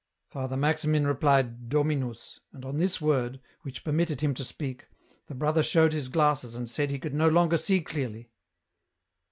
Father Maxi min replied ' Dominus,' and on this word, which permitted him to speak, the brother showed his glasses and said he could no longer see clearly.